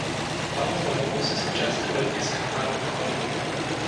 Mount Olympus je součástí Olympijského národního parku.